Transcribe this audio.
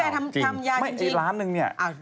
ไอ้ล้านนึงเนี่ย